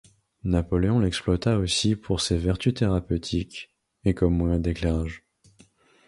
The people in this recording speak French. Napoléon l’exploita aussi pour ces vertus thérapeutiques et comme moyen d’éclairage.